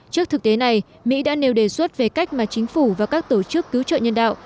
trước thực tế này mỹ đã nêu đề xuất về cách mà chính phủ và các tổ chức cứu trợ nhân đạo